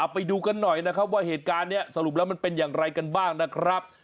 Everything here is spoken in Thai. ไปดูกันหน่อยนะครับว่าเหตุการณ์นี้สรุปแล้วมันเป็นอย่างไรกันบ้างนะครับ